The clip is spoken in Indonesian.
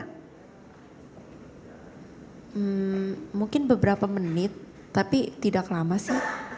hmm mungkin beberapa menit tapi tidak lama sih